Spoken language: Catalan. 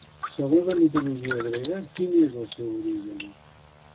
Segons la mitologia grega, quin és el seu origen?